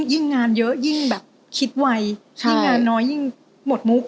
ยิ่งงานเยอะยิ่งแบบคิดไวยิ่งงานน้อยยิ่งหมดมุก